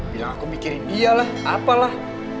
bilang aku mikirin dia lah apalah